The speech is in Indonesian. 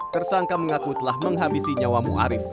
tersangka mengaku telah menghabisi nyawa mu'arif